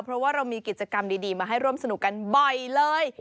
เพราะว่าเรามีกิจกรรมดีมาให้ร่วมสนุกกันบ่อยเลย